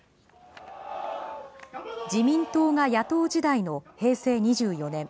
自民党が野党時代の平成２４年。